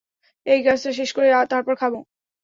এই কাজটা শেষ করে তারপর খাবো।